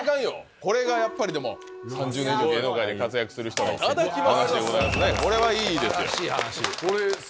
これがやっぱりでも３０年以上芸能界で活躍する人の話でございますね